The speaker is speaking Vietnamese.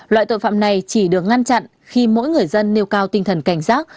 loại tội phạm này chỉ được ngăn chặn khi mỗi người dân nêu cao tinh thần cảnh giác